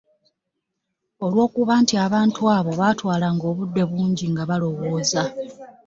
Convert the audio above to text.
Olwokuba nti abantu abo baatwalanga obudde bungi nga balowooza.